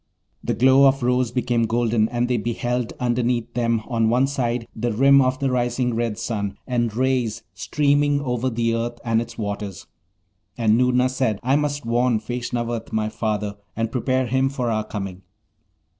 The glow of rose became golden, and they beheld underneath them, on one side, the rim of the rising red sun, and rays streaming over the earth and its waters. And Noorna said, 'I must warn Feshnavat, my father, and prepare him for our coming.'